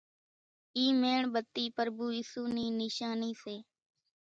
اِي ميڻ ٻتي پرڀو ايسُو نِي نيشاني سي